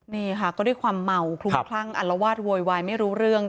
นี่ค่ะก็ด้วยความเมาคลุมคลั่งอัลวาดโวยวายไม่รู้เรื่อง